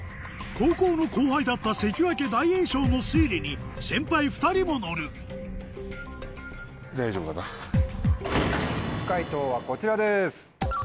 高校の後輩だった関脇・大栄翔の推理に先輩２人も乗る解答はこちらです。